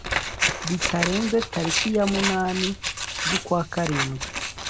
bitarenze tariki ya munani z’ukwa karindwi